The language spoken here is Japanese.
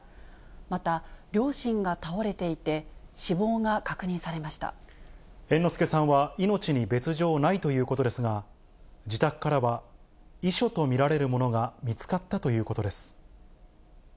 また、両親が倒れていて、猿之助さんは命に別状ないということですが、自宅からは遺書と見られるものが見つかったということです。